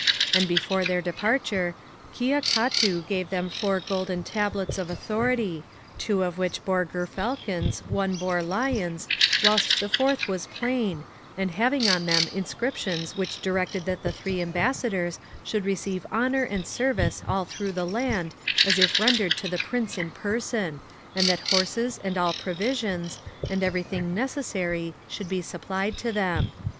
^ And before their departure, Kia catu gave them four golden tablets of authority, two of which bore gerfalcons, one bore lions, whilst the fourth was plain, and having on them inscriptions which directed that the three Ambassadors should receive honour and service all through the land as if rendered to the Prince in person, and that horses and all provisions, and every thing necessary, should be supplied to them.